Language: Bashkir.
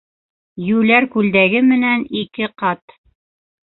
Йүләр күлдәге менән ике ҡат.